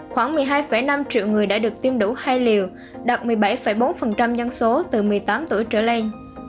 khoảng một mươi hai năm triệu người đã được tiêm đủ hai liều đạt một mươi bảy bốn dân số từ một mươi tám tuổi trở lên